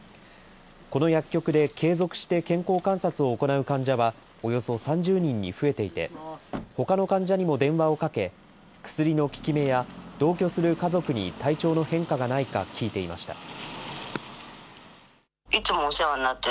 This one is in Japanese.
この薬局で継続して健康観察を行う患者はおよそ３０人に増えていて、ほかの患者にも電話をかけ、薬の効き目や同居する家族に体調の変化がないか聞いていました。